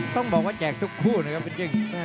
ต้องบอกว่าแจกทุกคู่นะครับคุณกิ้ง